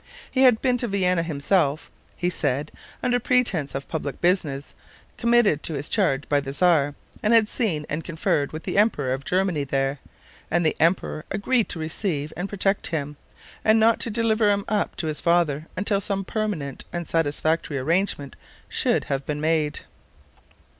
He had been to Vienna himself, he said, under pretense of public business committed to his charge by the Czar, and had seen and conferred with the Emperor of Germany there, and the emperor agreed to receive and protect him, and not to deliver him up to his father until some permanent and satisfactory arrangement should have been made.